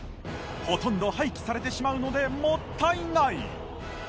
ほとんど廃棄されてしまうのでもったいない